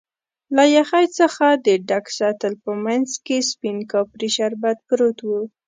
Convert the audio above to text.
له یخی څخه د ډک سطل په مینځ کې سپین کاپري شربت پروت و.